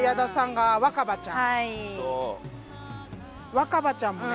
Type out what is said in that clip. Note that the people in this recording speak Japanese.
若葉ちゃんもね